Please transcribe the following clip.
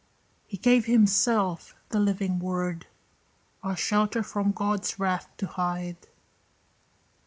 He gave himself, the Living Word, Our shelter from God's wrath to hide.